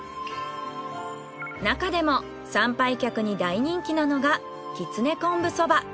なかでも参拝客に大人気なのがきつねこんぶそば。